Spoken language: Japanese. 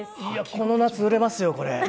この夏、売れますよ、これ。